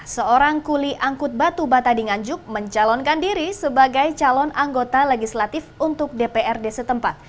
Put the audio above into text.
seorang kuli angkut batu bata di nganjuk mencalonkan diri sebagai calon anggota legislatif untuk dprd setempat